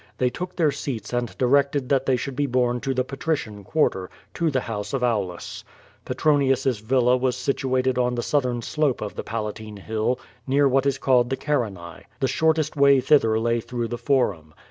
They took their seats and directed that they should be home to the Patrician Quarter, to the house of Aulus. Petronius's villa was situated on the southern slope of the Palatine hill near what is called the Carinae. The shortest way thither lay through the Forum.